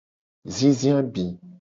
Zizi abi.